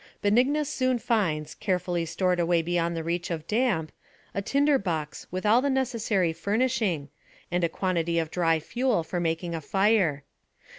Benignus soon finds, carefully stored away beyond the reach of damp, a tinder box with all the necessary fur nishing, and a quantity of dry fuel for making a fire.